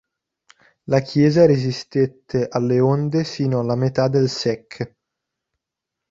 La chiesa resistette alle onde sino alla metà del sec.